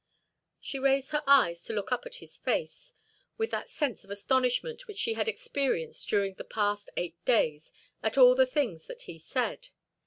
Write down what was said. She raised her eyes to look up at his face, with that sense of astonishment which she had experienced during the past eight days at all the things that he said.